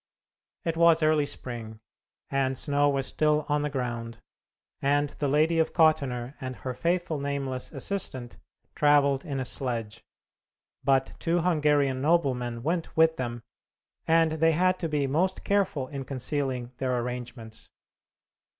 It was early spring, and snow was still on the ground, and the Lady of Kottenner and her faithful nameless assistant travelled in a sledge; but two Hungarian noblemen went with them, and they had to be most careful in concealing their arrangements.